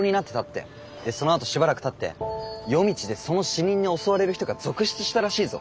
でそのあとしばらくたって夜道でその死人に襲われる人が続出したらしいぞ。